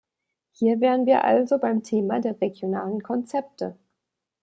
Hier wären wir also beim Thema der regionalen Konzepte.